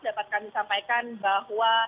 dapat kami sampaikan bahwa